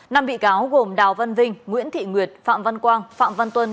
năm bị cáo gồm đào văn vinh nguyễn thị nguyệt phạm văn quang phạm văn tuân